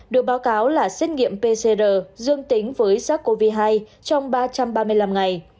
được báo cáo là xét nghiệm pcr dương tính với sars cov hai trong ba trăm ba mươi năm ngày